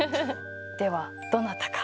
ではどなたか。